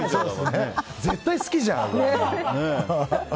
絶対好きじゃん。